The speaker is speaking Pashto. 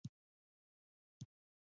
د مچۍ د چیچلو لپاره پیاز وکاروئ